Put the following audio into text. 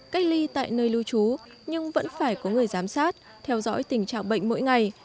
cách ly tại nơi lưu trú nhưng vẫn phải có người giám sát theo dõi tình trạng bệnh mỗi ngày